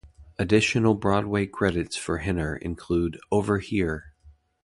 Additional Broadway credits for Henner include Over Here!